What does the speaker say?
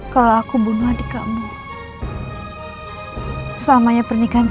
kalau aku bunuh adik kamu selamanya pernikahan kita akan selalu dibayangin dendam kamu mas